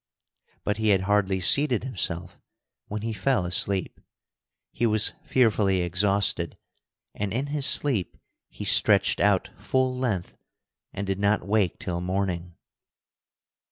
But he had hardly seated himself when he fell asleep. He was fearfully exhausted, and in his sleep he stretched out full length and did not wake till morning.